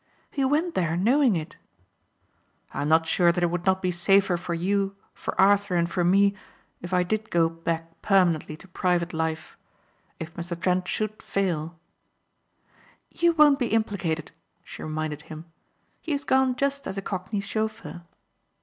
"He went there knowing it." "I am not sure that it would not be safer for you for Arthur and for me if I did go back permanently to private life. If Mr. Trent should fail " "You won't be implicated," she reminded him. "He has gone just as a cockney chauffeur."